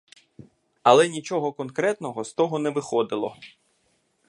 Але нічого конкретного з того не виходило.